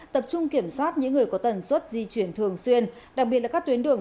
tập trung kiểm soát những người có tần suất di chuyển thường xuyên đặc biệt là các tuyến đường